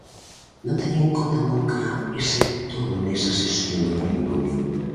Non teñen en conta nunca ese todo nesa xestión do patrimonio.